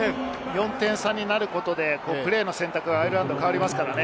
４点差になることでプレーの選択が変わりますからね。